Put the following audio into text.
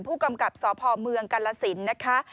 ผู้กำกับสพเมืองกาลสินนะคะ